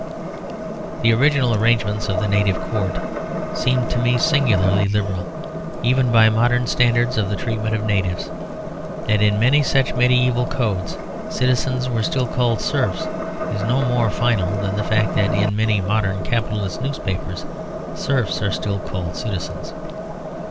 The original arrangements of the Native Court seem to me singularly liberal, even by modern standards of the treatment of natives. That in many such medieval codes citizens were still called serfs is no more final than the fact that in many modern capitalist newspapers serfs are still called citizens.